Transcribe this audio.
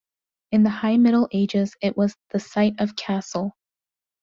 In the High Middle Ages it was the site of castle.